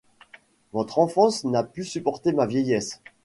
Votre enfance n'a pu supporter ma vieillesse. -